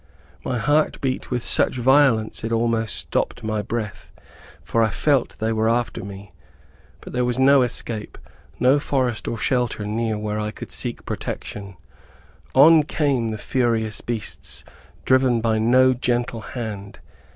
My heart beat with such violence it almost stopped my breath, for I felt that they were after me. But there was no escape no forest or shelter near where I could seek protection. On came the furious beasts, driven by no gentle hand.